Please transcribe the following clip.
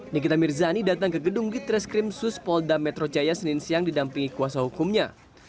nikita mirzani datang ke gedung gitreskrim suspolda metro jaya senin siang didampingi kuasa hukumnya